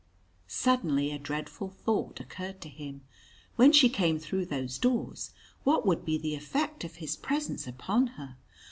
Suddenly a dreadful thought occurred to him. When she came through those doors, what would be the effect of his presence upon her?